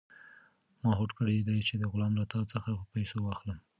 ما هوډ کړی دی چې دا غلام له تا څخه په پیسو واخلم.